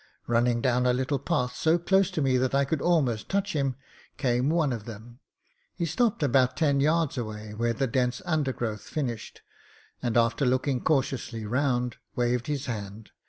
Running down a little path, so close to me that I could almost touch him, came one of them. He stopped about ten 3rards away where the dense undergrowth finished, and, after looking cautiously round, waved his hand.